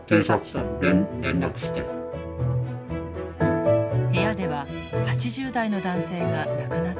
部屋では８０代の男性が亡くなっていました。